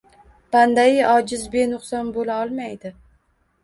Bandayi ojiz benuqson bo‘la olmaydi.